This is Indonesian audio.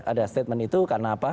ada statement itu karena apa